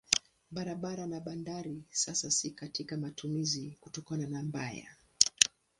Barabara na bandari sasa si katika matumizi kutokana na mbaya.